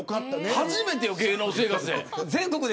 初めて芸能生活で。